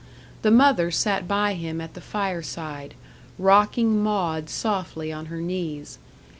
The mother sat by him at the fireside, rocking Maud softly on her knees.